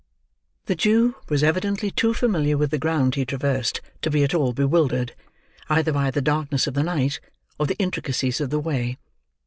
The Jew was evidently too familiar with the ground he traversed to be at all bewildered, either by the darkness of the night, or the intricacies of the way.